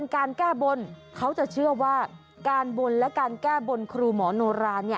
การแก้บ่นเขาจะเชื่อว่าการบ่นครูหมอนโนรา